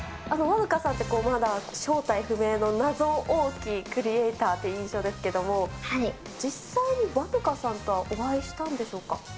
和ぬかさんって正体不明の謎多きクリエーターという印象ですけれども、実際に和ぬかさんとはお会いしたんでしょうか。